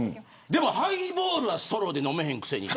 でも、ハイボールはストローで飲めへんくせに。